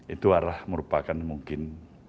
itu adalah merupakan mungkin